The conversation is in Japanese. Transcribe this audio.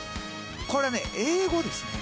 これね英語ですね。